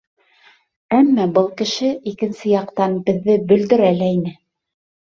Әммә был кеше, икенсе яҡтан, беҙҙе бөлдөрә лә ине.